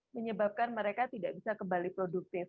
menyebabkan mereka tidak bisa kembali produktif